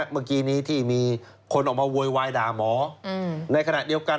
เมื่อกี้นี้ที่มีคนออกมาโวยวายด่าหมอในขณะเดียวกัน